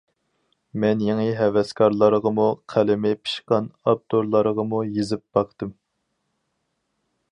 مەن يېڭى ھەۋەسكارلارغىمۇ، قەلىمى پىشقان ئاپتورلارغىمۇ يېزىپ باقتىم.